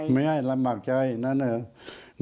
ไม่ให้ลำบากใจนั้นเหรอ